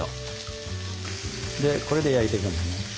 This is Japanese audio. でこれで焼いていくんですね。